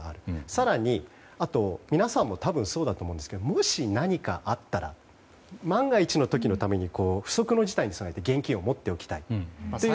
更に、皆さんも多分そうだと思うんですがもし何かあったら万が一のために不測の事態に備えて現金を持っておきたいという。